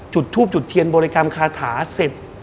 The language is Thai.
จุดทูบจุดเทียนบริกรรมคาถาเสร็จ